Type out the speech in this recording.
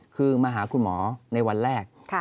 คือมาหาคุณหมอในวันแรก